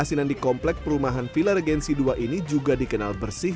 asinan di komplek perumahan villa regensi ii ini juga dikenal bersih